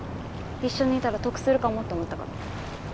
一緒にいたら得するかもって思ったから。